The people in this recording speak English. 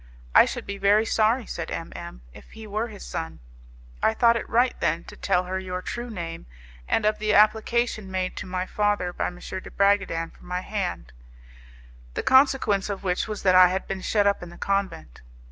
'I should be very sorry,' said M M , 'if he were his son.' I thought it right, then, to tell her your true name, and of the application made to my father by M. de Bragadin for my hand, the consequence of which was that I had been shut up in the convent.